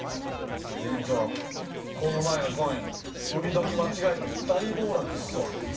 店長、この前のコイン、売り時、間違えて大暴落っすわ。